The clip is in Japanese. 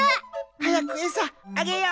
はやくえさあげよう！